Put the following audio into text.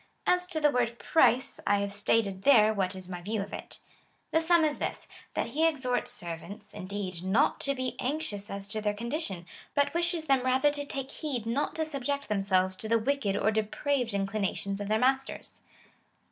As to the word price, I have stated there, what is my view of it.^ The sum is this, that he exhorts servants, indeed, not to be anxious as to their condition, but wishes them rather to take heed not to subject themselves to the wicked or dejDraved inclinations of their masters.